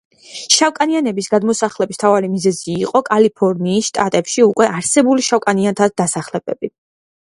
შავკანიანების გადმოსახლების მთავარი მიზეზი იყო კალიფორნიის შტატში უკვე არსებული შავკანიანთა დასახლებები.